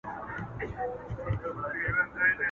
چي یې له وینو سره غاټول را ټوکېدلي نه وي!!